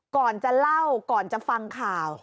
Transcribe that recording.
ก่อนจะเล่าก่อนจะฟังข่าว